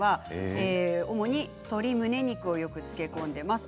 主に鶏むね肉をよく漬け込んでいます。